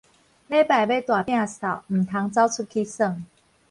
禮拜欲大摒掃，毋通走出去耍